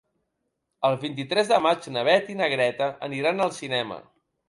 El vint-i-tres de maig na Beth i na Greta aniran al cinema.